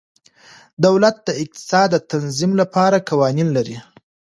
دولت د اقتصاد د تنظیم لپاره قوانین لري.